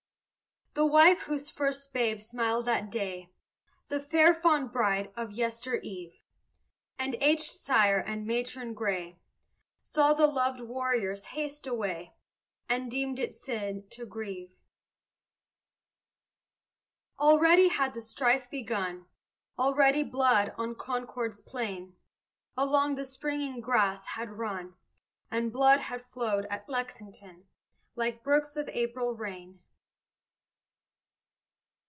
The wife, whose babe first smiled that day The fair fond bride of yestereve, And aged sire and matron gray, Saw the loved warriors haste away, And deemed it sin to grieve. Already had the strife begun; Already blood, on Concord's plain, Along the springing grass had run, And blood had flowed at Lexington, Like brooks of April rain.